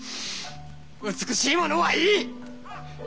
美しいものはいい！